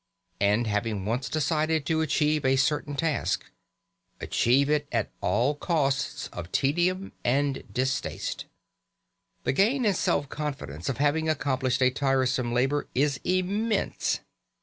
And, having once decided to achieve a certain task, achieve it at all costs of tedium and distaste. The gain in self confidence of having accomplished a tiresome labour is immense.